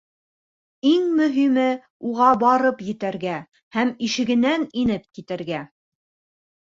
Иң мөһиме - уға барып етергә һәм ишегенән инеп китергә.